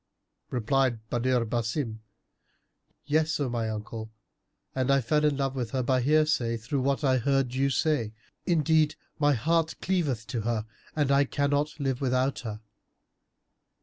Replied Badr Basim, "Yes, O my uncle, and I fell in love with her by hearsay through what I heard you say. Indeed, my heart cleaveth to her and I cannot live without her."